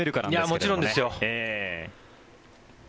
もちろんですよ。